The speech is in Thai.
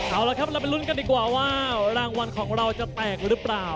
เอาละครับเราไปลุ้นกันดีกว่าว่ารางวัลของเราจะแตกหรือเปล่า